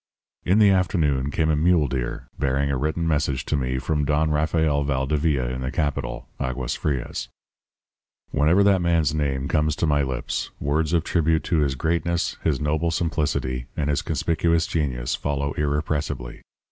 "In the afternoon came a mule rider bearing a written message to me from Don Rafael Valdevia in the capital, Aguas Frias. "Whenever that man's name comes to my lips, words of tribute to his greatness, his noble simplicity, and his conspicuous genius follow irrepressibly.